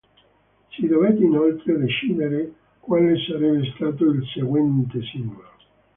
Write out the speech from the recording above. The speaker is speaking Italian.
Si dovette inoltre decidere quale sarebbe stato il seguente singolo.